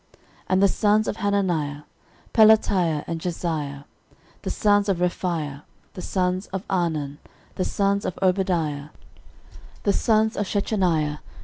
13:003:021 And the sons of Hananiah; Pelatiah, and Jesaiah: the sons of Rephaiah, the sons of Arnan, the sons of Obadiah, the sons of Shechaniah.